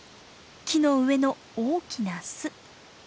木の上の大きな巣。